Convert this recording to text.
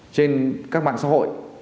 trên các mạng xã hội